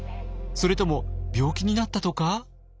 それとも病気になったとか？